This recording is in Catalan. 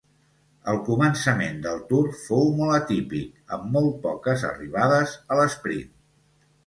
El començament del Tour fou molt atípic, amb molt poques arribades a l'esprint.